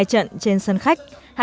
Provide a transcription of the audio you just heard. hai trận trên sân khách